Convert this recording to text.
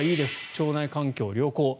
腸内環境、良好。